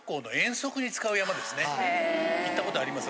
行ったことあります